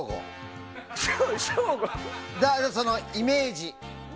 その、イメージ。